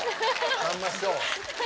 さんま師匠。